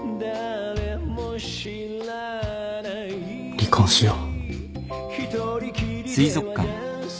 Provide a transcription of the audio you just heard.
離婚しよう。